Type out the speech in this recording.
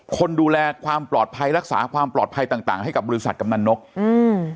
คนดูแลความปลอดภัยรักษาความปลอดภัยต่างต่างให้กับบริษัทกำนันนกอืม